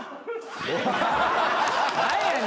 ・何やねん？